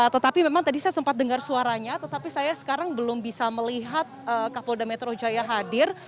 tetapi memang tadi saya sempat dengar suaranya tetapi saya sekarang belum bisa melihat kapolda metro jaya hadir